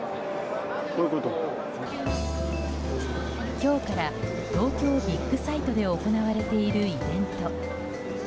今日から東京ビッグサイトで行われているイベント。